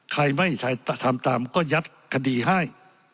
ใครไม่ใครทำตามก็ยัดคดีให้